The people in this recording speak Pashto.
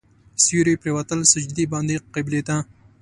سیوري پرېوتل سجدې باندې قبلې ته.